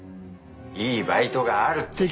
いいバイトがあるって。